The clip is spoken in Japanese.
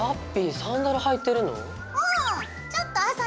サンダル履いてるの⁉うん！